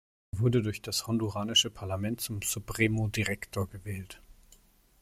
Er wurde durch das honduranische Parlament zum "Supremo Director" gewählt.